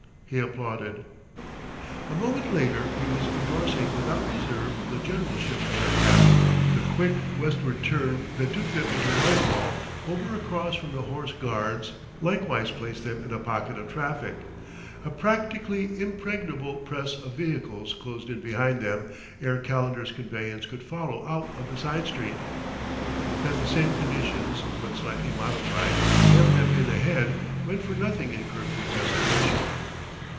he applauded. A moment later he was indorsing without reserve the generalship of their cabby; the quick westward turn that took them into Whitehall, over across from the Horse Guards, likewise placed them in a pocket of traffic; a practically impregnable press of vehicles closed in behind them ere Calendar's conveyance could follow out of the side street. That the same conditions, but slightly modified, hemmed them in ahead, went for nothing in Kirkwood's estimation.